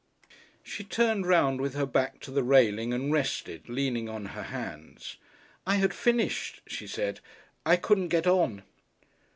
She turned round with her back to the railing and rested, leaning on her hands. "I had finished," she said. "I couldn't get on."